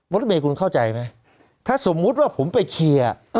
รถเมย์คุณเข้าใจไหมถ้าสมมุติว่าผมไปเชียร์